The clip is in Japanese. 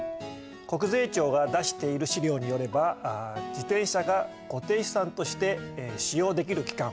国税庁が出している資料によれば自転車が固定資産として使用できる期間